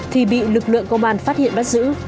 thì bị lực lượng công an phát hiện bắt giữ